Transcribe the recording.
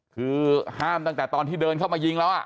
คือห้ามตั้งแต่ตอนที่เดินเข้ามายิงแล้ว